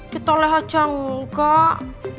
ditoleh aja enggak